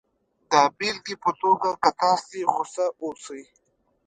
د بېلګې په توګه که تاسې غسه اوسئ